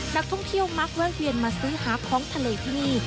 นักท่องเที่ยวมักแวะเวียนมาซื้อหาของทะเลที่นี่